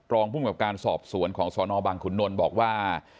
รองภูมิกับการสอบสวนของสนบังขุนนลบอกว่า